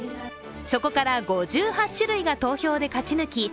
そこから５８種類が投票で勝ち抜き